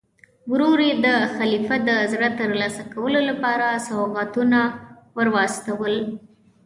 ورور یې د خلیفه د زړه ترلاسه کولو لپاره سوغاتونه ور واستول.